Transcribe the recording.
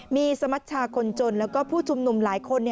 มีสมัชชาคนจนแล้วก็ผู้ชุมนุมหลายคน